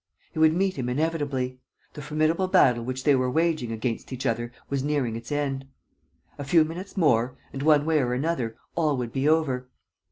He would meet him inevitably; the formidable battle which they were waging against each other was nearing its end. A few minutes more and, one way or another, all would be over.